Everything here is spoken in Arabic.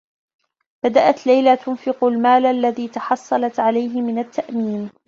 بدأت ليلى تنفق المال الذي تحصّلت عليه من التّأمين.